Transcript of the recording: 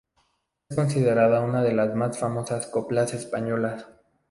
Es considerada una de las más famosas coplas españolas.